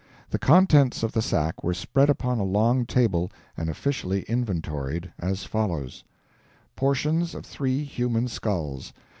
The contents of the sack were spread upon a long table, and officially inventoried, as follows: Portions of three human skulls.